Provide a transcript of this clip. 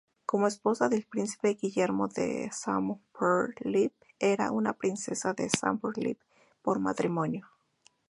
Como esposa del Príncipe Guillermo de Schaumburg-Lippe era una Princesa de Schaumburg-Lippe por matrimonio.